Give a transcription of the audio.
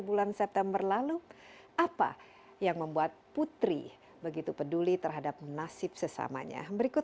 bulan september lalu apa yang membuat putri begitu peduli terhadap nasib sesamanya berikut